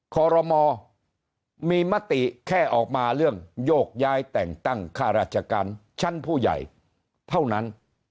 คอรมอมีมติแค่ออกมาเรื่องโยกย้ายแต่งตั้งค่าราชการชั้นผู้ใหญ่เท่านั้น